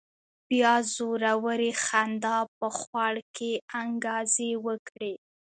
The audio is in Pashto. بيا زورورې خندا په خوړ کې انګازې وکړې.